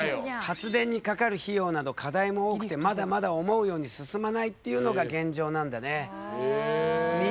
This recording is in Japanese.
発電にかかる費用など課題も多くてまだまだ思うように進まないっていうのが現状なんだね。